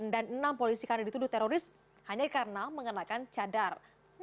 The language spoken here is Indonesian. enam polisi karena dituduh teroris hanya karena mengenakan cadar